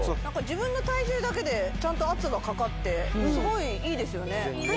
何か自分の体重だけでちゃんと圧がかかってすごいいいですよね